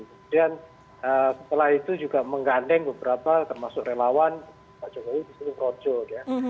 kemudian setelah itu juga menggandeng beberapa termasuk relawan pak jokowi disini projok